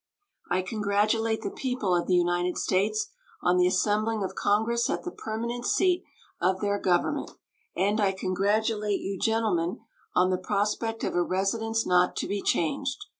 I congratulate the people of the United States on the assembling of Congress at the permanent seat of their Government, and I congratulate you, gentlemen, on the prospect of a residence not to be changed.